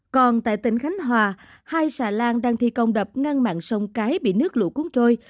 còn tại tỉnh khánh hòa hai xà lan đang thi công đập ngăn mặn sông cái bị nước lũ cuốn trôi